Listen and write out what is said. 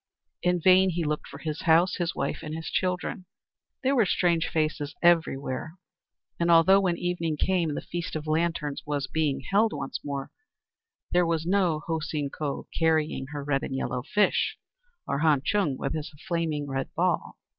In vain he looked for his house, his wife, and his children. There were strange faces everywhere; and although when evening came the Feast of Lanterns was being held once more, there was no Ho Seen Ko carrying her red and yellow fish, or Han Chung with his flaming red ball.